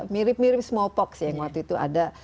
mirip mirip smallpox yang waktu itu ada